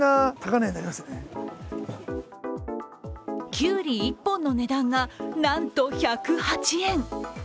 キュウリ１本の値段がなんと１０８円。